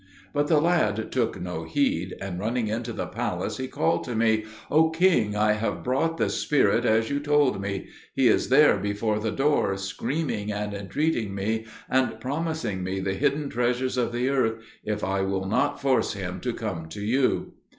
But the lad took no heed; and running into the palace, he called to me, "O king, I have brought the spirit, as you told me; he is there before the door, screaming and entreating me and promising me the hidden treasures of the earth if I will not force him to come to you."